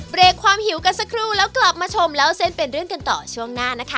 เรียกความหิวกันสักครู่แล้วกลับมาชมเล่าเส้นเป็นเรื่องกันต่อช่วงหน้านะคะ